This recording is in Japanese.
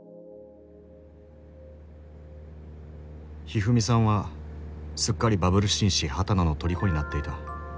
ひふみさんはすっかりバブル紳士波多野の虜になっていた。